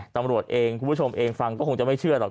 ตำรวจเองคุณผู้ชมเองฟังก็คงจะไม่เชื่อหรอก